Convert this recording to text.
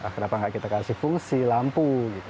kenapa tidak kita kasih fungsi lampu gitu